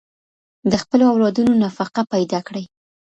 د خپلو اولادونو نفقه پيدا کړئ.